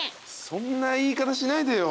そんな言い方しないでよ。